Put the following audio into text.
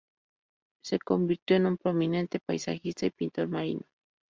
Se convirtió en un prominente paisajista y pintor marino.